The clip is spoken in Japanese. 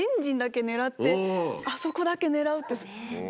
あそこだけ狙うって。